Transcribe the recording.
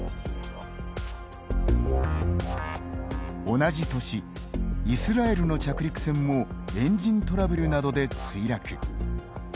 同じ年、イスラエルの着陸船もエンジントラブルなどで墜落。